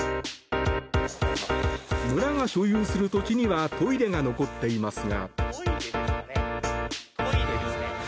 村が所有する土地にはトイレが残っていますが。